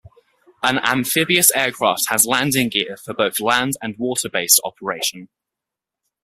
An amphibious aircraft has landing gear for both land and water-based operation.